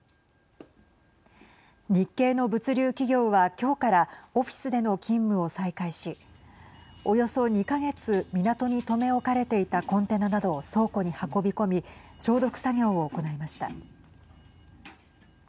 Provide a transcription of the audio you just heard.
日系の物流企業は、きょうからオフィスでの勤務を再開しおよそ２か月港に留め置かれていたコンテナなどを倉庫に運び込み消毒作業を行いました。